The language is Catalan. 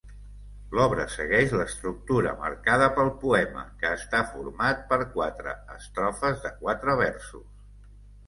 L'obra segueix l'estructura marcada pel poema que està format per quatre estrofes de quatre versos.